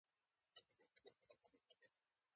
د خامک ګنډل د ښځو عاید دی